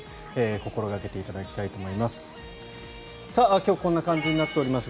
心掛けていただきたいと思います。